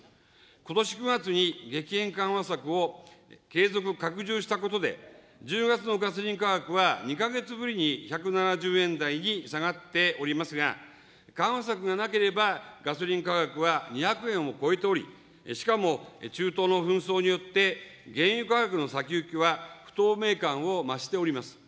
ことし９月に激変緩和策を継続・拡充したことで、１０月のガソリン価格は２か月ぶりに１７０円台に下がっておりますが、緩和策がなければ、ガソリン価格は２００円を超えており、しかも中東の紛争によって、原油価格の先行きは、不透明感を増しております。